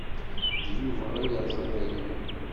D Yuba ay yerẓan aya.